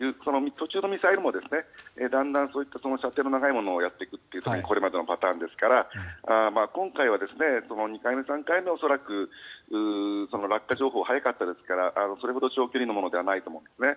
途中のミサイルもだんだんそういった射程の長いものをやっていくというこれまでのパターンですから今回は２回目、３回目は恐らく落下情報、早かったですからそれほど長距離のものではないと思うんです。